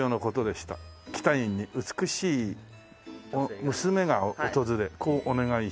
「喜多院に美しい娘が訪れこうお願いした」